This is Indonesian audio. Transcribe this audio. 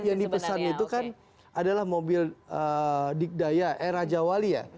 yang dipesan itu kan adalah mobil digdaya eh raja wali ya